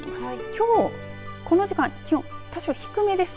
きょうこの時間気温、多少低めです。